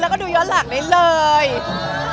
แล้วก็ดูยอดหลักในเรื่อง